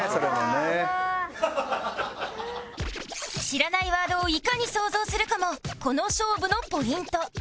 知らないワードをいかに想像するかもこの勝負のポイント